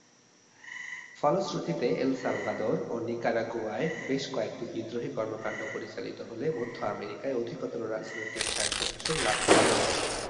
ফলশ্রুতিতে El Salvador ও নিকারাগুয়ায় বেশ কয়েকটি বিদ্রোহী কর্মকাণ্ড পরিচালিত হলে মধ্য আমেরিকায় অধিকতর রাজনৈতিক স্বায়ত্তশাসন লাভ করে।